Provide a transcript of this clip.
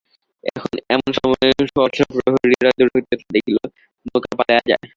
এমন সময়ে সহসা প্রহরীরা দূর হইতে দেখিল, নৌকা পালাইয়া যায়।